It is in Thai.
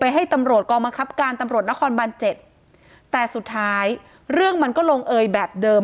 ให้ตำรวจกองบังคับการตำรวจนครบานเจ็ดแต่สุดท้ายเรื่องมันก็ลงเอยแบบเดิม